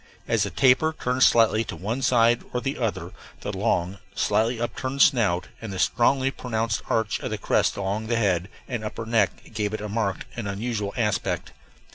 As the tapir turned slightly to one side or the other the long, slightly upturned snout and the strongly pronounced arch of the crest along the head and upper neck gave it a marked and unusual aspect.